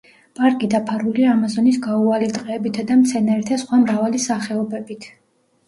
პარკი დაფარულია ამაზონის გაუვალი ტყეებითა და მცენარეთა სხვა მრავალი სახეობებით.